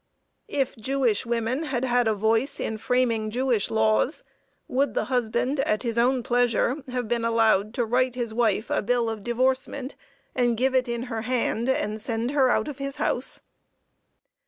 If Jewish women had had a voice in framing Jewish laws, would the husband, at his own pleasure, have been allowed to "write his wife a bill of divorcement and give it in her hand, and send her out of his house?"